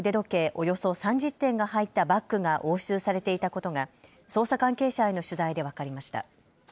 およそ３０点が入ったバッグが押収されていたことが捜査関係者への取材で分かりました。